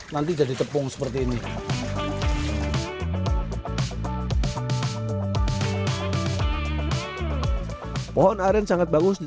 nanti jadi tepung seperti ini pohon aren sangat bagus ditanamkan dengan air dan air yang sangat